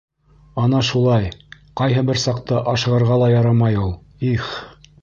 Ана шулай, ҡайһы бер саҡта ашығырға ла ярамай ул. Их!